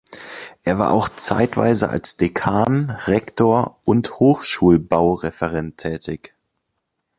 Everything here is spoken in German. Er war auch zeitweise als Dekan, Rektor und Hochschul-Baureferent tätig.